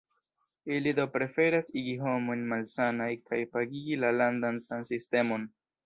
Ili do preferas igi homojn malsanaj kaj pagigi la landan sansistemon.